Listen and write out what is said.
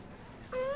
うん！